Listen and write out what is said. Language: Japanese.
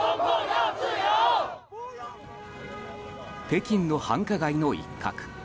北京の繁華街の一角。